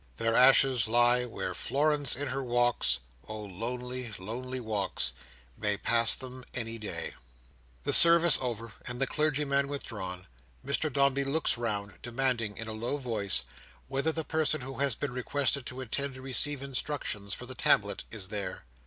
Their ashes lie where Florence in her walks—oh lonely, lonely walks!—may pass them any day. The service over, and the clergyman withdrawn, Mr Dombey looks round, demanding in a low voice, whether the person who has been requested to attend to receive instructions for the tablet, is there?